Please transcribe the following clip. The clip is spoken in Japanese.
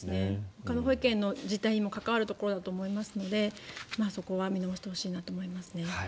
ほかの保育園の実態にも関わることだと思いますのでそこは見直してほしいなと思いますね。